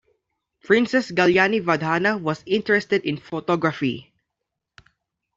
Princess Galyani Vadhana was interested in photography.